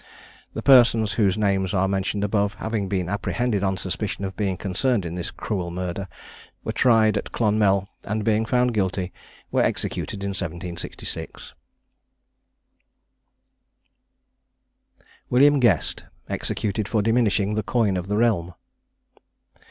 The persons whose names are mentioned above, having been apprehended on suspicion of being concerned in this cruel murder, were tried at Clonmel, and being found guilty, were executed in 1766. WILLIAM GUEST. EXECUTED FOR DIMINISHING THE COIN OF THE REALM.